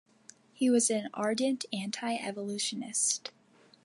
He was an ardent anti-evolutionist.